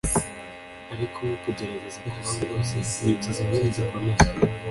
ariko kugerageza kubaho rwose ni ikizamini gikomeye